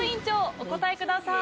お答えください。